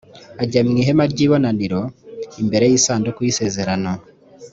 ajya mu ihema ry’ibonaniro imbere y’isanduku y’isezerano,